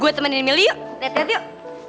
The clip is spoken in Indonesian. gue temenin mil yuk liat liat yuk